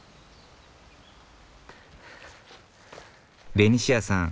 ベニシアさん